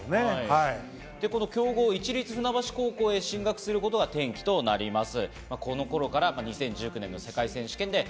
強豪・市立船橋高校へ進学することが転機となります。